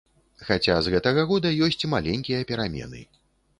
Хаця з гэтага года ёсць маленькія перамены.